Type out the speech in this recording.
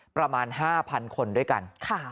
ประมาณ๕๐๐คนด้วยกัน